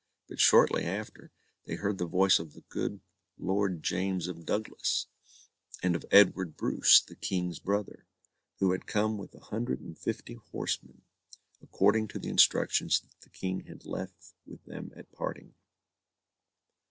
But shortly after, they heard the voice of the good Lord James of Douglas, and of Edward Bruce, the King's brother, who had come with a hundred and fifty horsemen, according to the instructions that the King had left with them at parting.